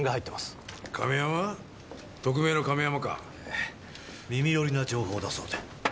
ええ耳寄りな情報だそうで。